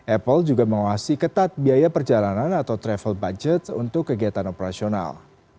apple juga mengawasi ketat biaya perjalanan atau travel budget untuk kegiatan operasional